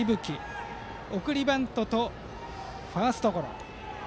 今日は送りバントとファーストゴロ。